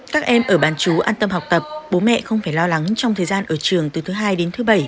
các em ở bán chú an tâm học tập bố mẹ không phải lo lắng trong thời gian ở trường từ thứ hai đến thứ bảy